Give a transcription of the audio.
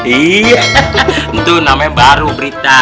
itu namanya baru berita